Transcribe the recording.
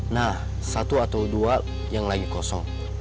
nah satu atau dua yang lagi kosong